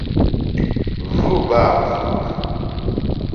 Vʉ̂ bə́ â vʉ̌.